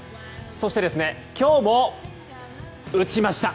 そして、今日も打ちました！